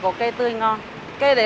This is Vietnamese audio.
cơm dừa thì hai đôi